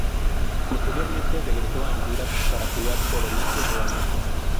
Posteriormente regresó a Honduras para jugar por Olimpia nuevamente.